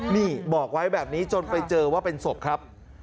นี่บอกไว้แบบนี้จนไปเจอว่าเป็นศพครับ